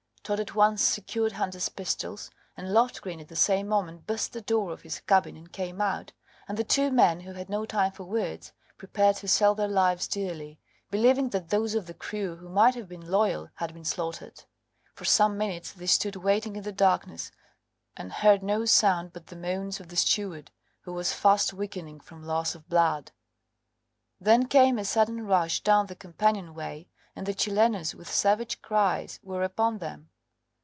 Todd at once secured Hunter's pistols, and Loft green at the same moment burst the door of his cabin and came out, and the two men, who had no time for words, prepared to sell their lives dearly, believing that those of the crew who might have been loyal had been slaughtered. For some minutes they stood waiting in the darkness, and heard no sound but the moans of the steward, who was fast weakening from loss of blood. Then came a sudden rush down the companion way, and the Chilenos, with savage cries, were upon them!